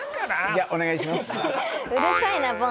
じゃあお願いします。